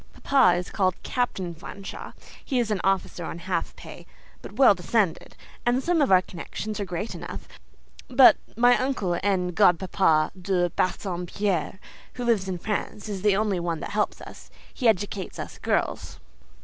Papa is called Captain Fanshawe; he is an officer on half pay, but well descended, and some of our connections are great enough; but my uncle and godpapa De Bassompierre, who lives in France, is the only one that helps us: he educates us girls.